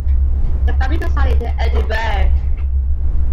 The family resided in Edinburgh.